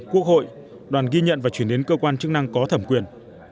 quốc hội đoàn ghi nhận và chuyển đến cơ quan chức năng có thẩm quyền